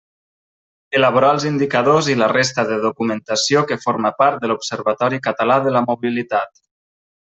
Elaborar els indicadors i la resta de documentació que forma part de l'Observatori Català de la Mobilitat.